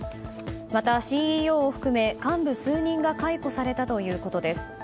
また、ＣＥＯを含め幹部数人が解雇されたということです。